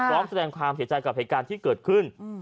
พร้อมแสดงความเสียใจกับเหตุการณ์ที่เกิดขึ้น